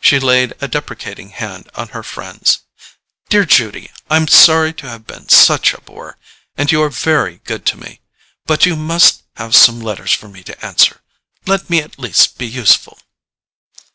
She laid a deprecating hand on her friend's. "Dear Judy! I'm sorry to have been such a bore, and you are very good to me. But you must have some letters for me to answer—let me at least be useful."